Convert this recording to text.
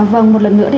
vâng một lần nữa